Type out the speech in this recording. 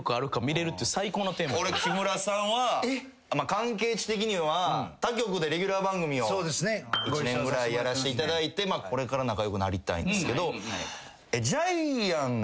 俺木村さんは関係値的には他局でレギュラー番組を１年ぐらいやらせていただいてこれから仲良くなりたいんですけど。